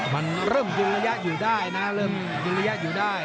มันเริ่มยิงระยะอยู่ได้นะเริ่มยิงระยะอยู่ได้